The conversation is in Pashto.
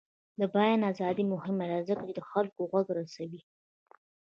د بیان ازادي مهمه ده ځکه چې د خلکو غږ رسوي.